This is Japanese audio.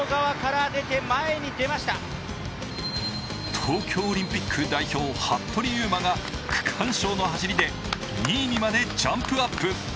東京オリンピック代表・服部勇馬が区間賞の走りで２位にまでジャンプアップ。